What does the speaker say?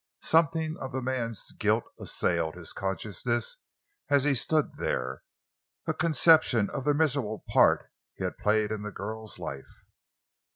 Something of the man's guilt assailed his consciousness as he stood there—a conception of the miserable part he had played in the girl's life.